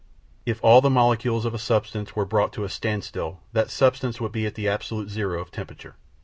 ] If all the molecules of a substance were brought to a standstill, that substance would be at the absolute zero of temperature.